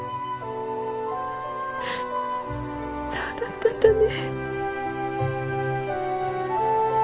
そうだったんだね。